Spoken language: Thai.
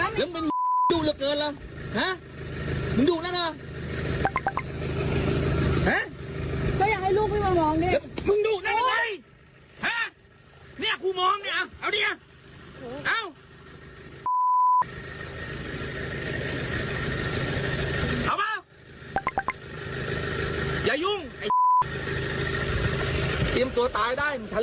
มีคลิปออกมาซึ่งเชื่อว่าคนคุณผู้ชมไปดูคลิปที่เกิดเหตุกันก่อนค่ะ